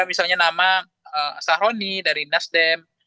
misalnya nama sahroni dari nasdem